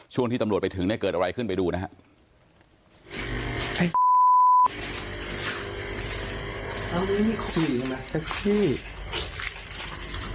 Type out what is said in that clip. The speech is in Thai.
ช่วงที่ตำรวจไปถึงเกิดอะไรขึ้นไปดูนะครับ